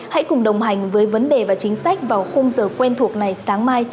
hãy cùng đồng hành với vấn đề và chính sách vào khung giờ quen thuộc này sáng mai